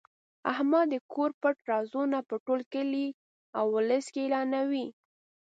احمد د کور پټ رازونه په ټول کلي اولس کې اعلانوي.